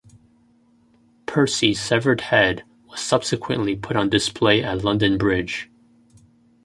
Percy's severed head was subsequently put on display at London Bridge.